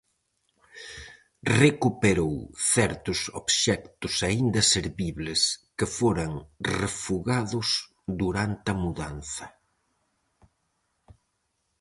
Recuperou certos obxectos aínda servibles, que foran refugados durante a mudanza.